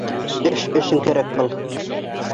Эш өсөн кәрәк был